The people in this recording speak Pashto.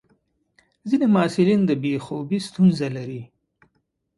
ځینې محصلین د بې خوبي ستونزه لري.